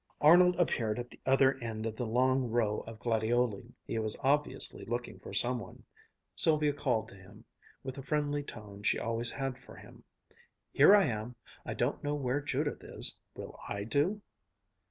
Arnold appeared at the other end of the long row of gladioli. He was obviously looking for some one. Sylvia called to him, with the friendly tone she always had for him: "Here I am! I don't know where Judith is. Will I do?"